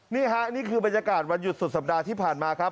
นี่ค่ะนี่คือบรรยากาศวันหยุดสุดสัปดาห์ที่ผ่านมาครับ